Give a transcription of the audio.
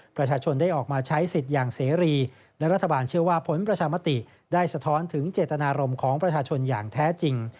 ประชาชนได้ออกมาใช้สิทธิ์อย่างเสรีและรัฐบาลเชื่อว่าผลประชามติได้สะท้อนถึงเจตนารมณ์ของประชาชนอย่างแท้จริง